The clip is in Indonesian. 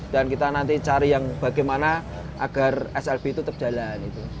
dan kita nanti cari yang bagaimana agar slp itu tetap jalan